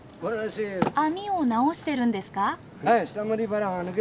網を直してるんですか。